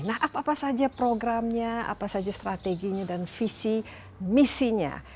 nah apa apa saja programnya apa saja strateginya dan visi misinya